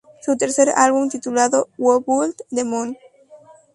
Su tercer álbum titulado "Who Built the Moon?